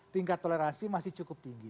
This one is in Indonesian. tingkat toleransi masih cukup tinggi